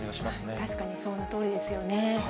確かにそのとおりですよね。